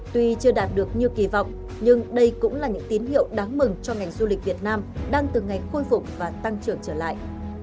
tuy chưa đạt được như kỳ vọng nhưng đây cũng là những tín hiệu đáng mừng cho ngành du lịch việt nam đang từ ngày khôi phục và tăng trưởng trở lại